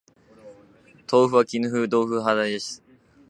豆腐は絹豆腐派です